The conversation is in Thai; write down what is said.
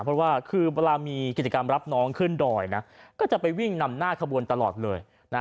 เพราะว่าคือเวลามีกิจกรรมรับน้องขึ้นดอยนะก็จะไปวิ่งนำหน้าขบวนตลอดเลยนะ